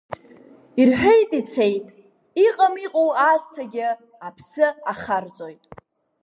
Ирҳәеит ицеит, иҟам иҟоу аасҭагьы аԥсы ахарҵоит.